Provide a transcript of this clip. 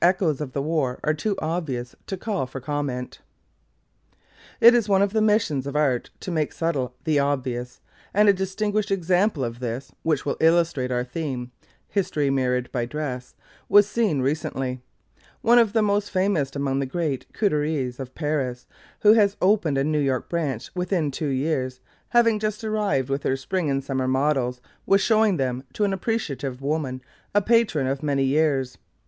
Geraldine Farrar in Spanish Costume as Carmine_] It is one of the missions of art to make subtle the obvious, and a distinguished example of this, which will illustrate our theme, history mirrored by dress, was seen recently. One of the most famous among the great couturières of Paris, who has opened a New York branch within two years, having just arrived with her Spring and Summer models, was showing them to an appreciative woman, a patron of many years.